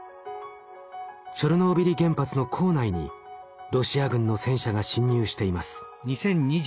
チョルノービリ原発の構内にロシア軍の戦車が侵入しています。